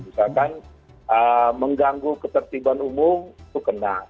misalkan mengganggu ketertiban umum itu kena